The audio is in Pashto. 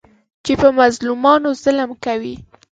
چې په مظلومانو ظلم کوي.